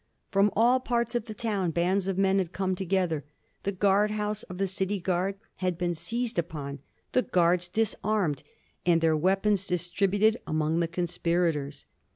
From all parts of the town bands of men had come together; the guard house of the city guard had been seized upon, the guards disarmed, and their weapons distributed among the conspirators.